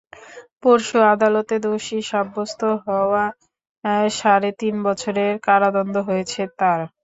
পরশু আদালতে দোষী সাব্যস্ত হওয়ায় সাড়ে তিন বছরের কারাদণ্ড হয়েছে তাঁর।